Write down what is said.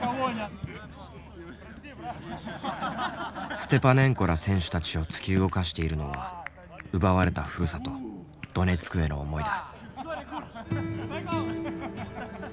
ステパネンコら選手たちを突き動かしているのは奪われたふるさとドネツクへの思いだ。